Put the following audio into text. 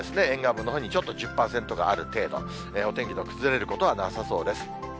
沿岸部のほうに、ちょっと１０％がある程度、お天気の崩れることはなさそうです。